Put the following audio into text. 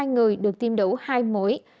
hai người được tiêm đủ hai mũi